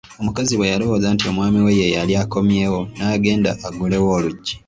Omukazi bwe yalowooza nti omwami we yeyali akomyewo n'agenda aggulewo oluggi.